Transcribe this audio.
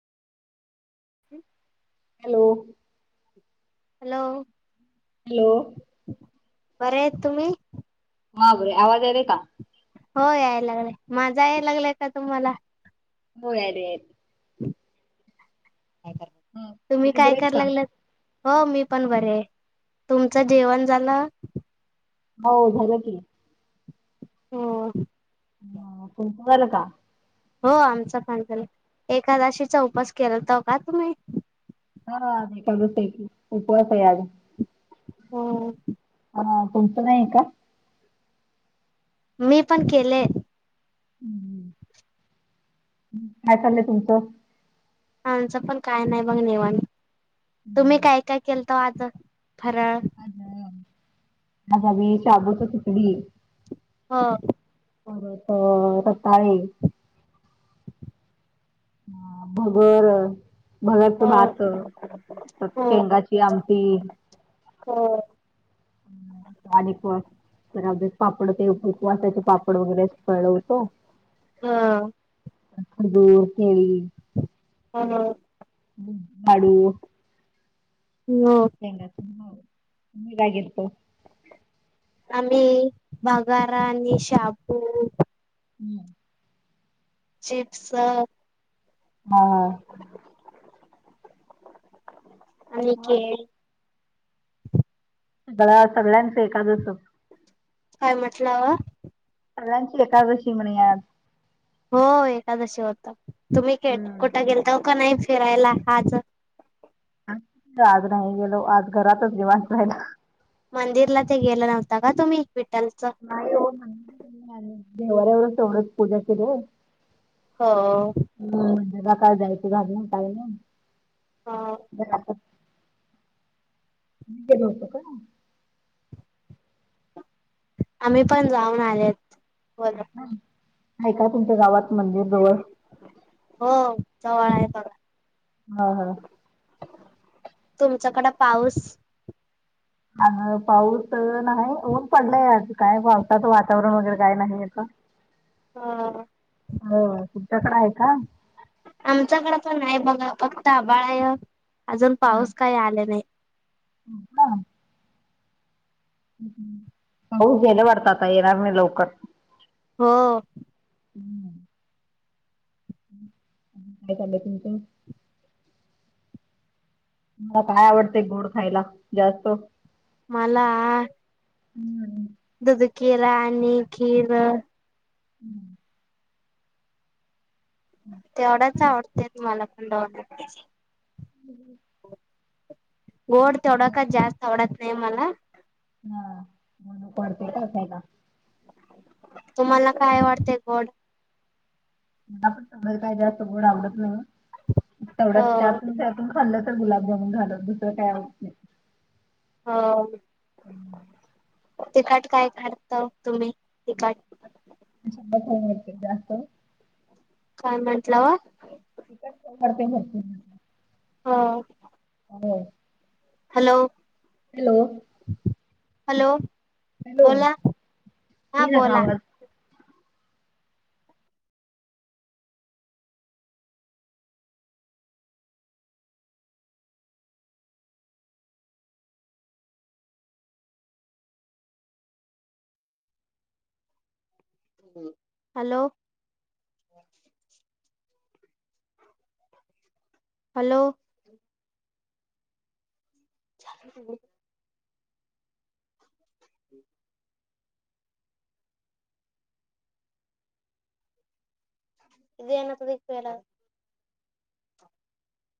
[unintelligible] Hello. Hello. Hello. बरं आहेत तुम्ही? हा बरे आवाज यायले का? हो याय लागलंय माझा याय लागलाय का तुम्हाला? हो यायलयत हा [inaudible] तुम्ही काय बरे आहेत कर का? लागल्यात? हो मी पण बरे आहे तुमचं जेवण झालं? हो झालं की. हो. बरं का. हो आमचा पण झालं एखकादशीचा उपास केलाता का तुम्ही? हा आज एकादश आहे की उपवास आहेे आज. हो. हा तुमचा नाही आहे का? मी पण केले. हम्म काय चाललंय तुमचं? आमचं पण काय नाही बघा निवांत तुम्ही काय काय केल ता आज फरळ? [unintelligible] आज आम्ही शाबुचा खिचडी हे. हा परत रताळे. ह भगर, भगरचा हो भात. त्यात हो शेंगाची आमटी. [inaudible] [unintelligible] राहुदेत पापड ते उपवासाचे पापड वगैरे तळवतो. हा. खजूर, केळी. हो ना. लाडू. हो. शेंगाच, [inaudible] तुम्ही काय केलंत? आम्ही बगारा आणि शापू. [unintelligible] चिप्स. हा. आणि मग केळी. दला सगळ्यांच एकादस. काय म्हटलं. सगळ्यांची एकादशी म्हणे आज. हो एकादशी होतं, तुम्ही कुठं हम्म गेलता का नाही फिरायला आाज? आज नाही, आज नाही गेलो, आज घरातच निवांत राहिलो. मंदिरला ते गेलं नव्हता का तुम्ही विठ्ठलाच्या. नाही ओ नाही, देवाऱ्यावर तेवढंच पूजा केलीय. हो. हो [unintelligible] गेल होतं का? आम्ही पण जाऊन आलेत. बोल हाय का, तुमच्या गावात मंदिर जवळ. हो जवळ आहे बघा. हा, हा. तुमच्याकडं पाऊस. अग पाऊस नाही, ऊन पडलाय, आज काय पावसाचं वाता वातावरण वगैरे काय नाहीये का? अ हो तुमच्याकडे आहे का? आमच्याकडं पण हाय बघा, फक्त आभाळाय न, अजून हा. पाऊस काय आले नाई. [unintelligible] पाऊ गेलं वाटतं आता, येणार नाई लवकर. हो. हम्म. काय चाललंय तुमचं? तुम्हाला काय आवडतेय गोड खायला जास्त? मला हा. [unintelligible] दुध, केला आणि खीर. हम्म. [unintelligible] तेवढाच आवडत्यात मला पण. [inaudible] [unintelligible] गोड तेवढा का जास्त आवडत नाय मला. हा म्हणून पडते का असयला? तुम्हाला काय वाटतेय गोड? मला पण तेवढं काय गोड आवडत नाही हो अ तेवढ्या त्यात खाल्लं तर गुलाबजामून झालं दुसंर काय आवडत नाही. हो नाही. तिखट काय [unintelligible] तुम्ही तिखट? [unintelligible] जास्त. काय म्हटलं? तिखट [unintelligible] हो. [inaudible] हॅलो? हॅलो? हॅलो? हॅलो बोला हां येईना का बोला. आवाज हॅलो? [inaudible] हॅलो? [inaudible] [inaudible] दे ना [unintelligible]